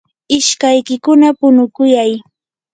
ishkaykikuna punukuyay.